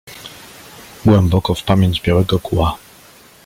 głęboko w pamięć Białego Kła.